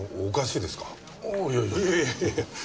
いやいやいやいや。